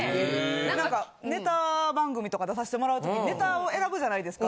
何かネタ番組とか出させてもらう時ネタを選ぶじゃないですか。